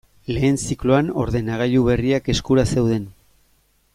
Lehen zikloan ordenagailu berriak eskura zeuden.